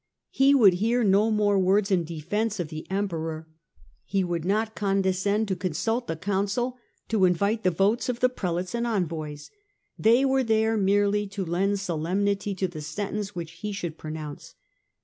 He would hear no more words in defence of the Emperor. He would not condescend to consult the Council, to invite the votes of the Prelates and envoys. They were there merely to lend solemnity to the sentence which he should pronounce.